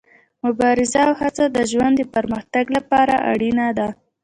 مبارزه او هڅه د ژوند د پرمختګ لپاره اړینه ده.